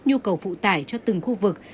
nhu cầu phụ tải cho từng khu vực